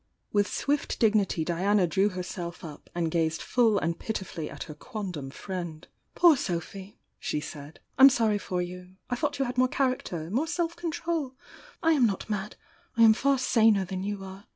With swift d^ity Diana drew herself up and gazed full and pitifully at her quondam friend. "Poor Sophy!" she said— "I'm sorry for you! I thought you had more character — more self control! I am not mad — I am far saner than you are.